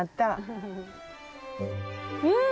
うん！